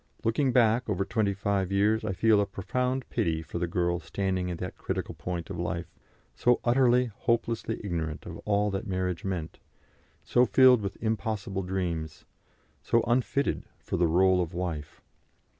Looking back over twenty five years, I feel a profound pity for the girl standing at that critical point of life, so utterly, hopelessly ignorant of all that marriage meant, so filled with impossible dreams, so unfitted for the rôle of wife.